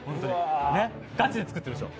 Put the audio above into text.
ガチで作ってるでしょう。